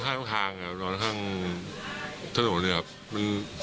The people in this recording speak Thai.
ไปนอนข้างทางนอนข้างถนน